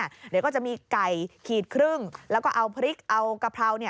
เดี๋ยวก็จะมีไก่ขีดครึ่งแล้วก็เอาพริกเอากะเพรา